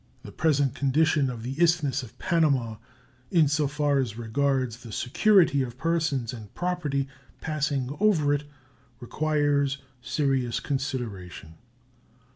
The present condition of the Isthmus of Panama, in so far as regards the security of persons and property passing over it, requires serious consideration.